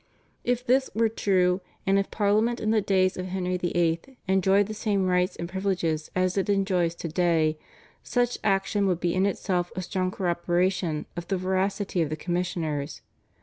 If this were true and if Parliament in the days of Henry VIII. enjoyed the same rights and privileges as it enjoys to day such action would be in itself a strong corroboration of the veracity of the commissioners.